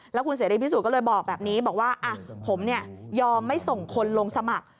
แล้วคุณเสรีพิสุทธิก็เลยบอกแบบนี้บอกว่าผมยอมไม่ส่งคนลงสมัคร